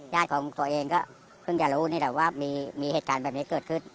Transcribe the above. ญาติของตัวเองก็เพิ่งจะรู้นี่แหละว่ามีเหตุการณ์แบบนี้เกิดขึ้น